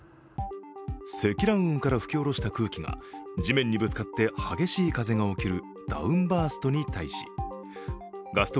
積乱雲から吹き下ろした空気が地面にぶつかって激しい風が起きる、ダウンバーストに対しガスト